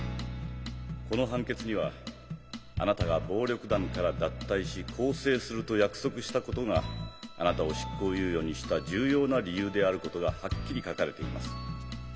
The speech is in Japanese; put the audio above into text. この判決にはあなたが「暴力団から脱退し更生する」と約束したことがあなたを執行猶予にした重要な理由であることがはっきり書かれています。